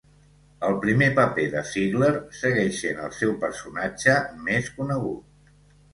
El primer paper de Ziegler segueix sent el seu personatge més conegut.